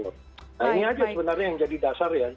nah ini aja sebenarnya yang jadi dasar ya